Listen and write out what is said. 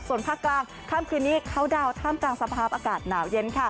ส่วนภาคกลางค่ำคืนนี้เขาดาวนท่ามกลางสภาพอากาศหนาวเย็น